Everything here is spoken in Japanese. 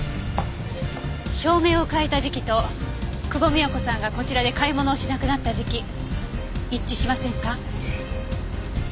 照明を変えた時期と久保美也子さんがこちらで買い物をしなくなった時期一致しませんか？